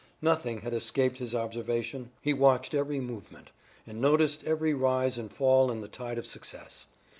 Nothing had escaped his observation; he watched every movement, and noticed every rise and fall in the tide of success.